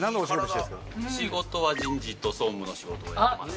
仕事は人事と総務の仕事をやってます。